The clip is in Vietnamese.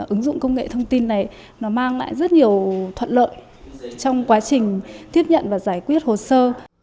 ứng dụng công nghệ thông tin này nó mang lại rất nhiều thuận lợi trong quá trình tiếp nhận và giải quyết hồ sơ